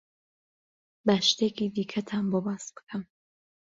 با شتێکی دیکەتان بۆ باس بکەم.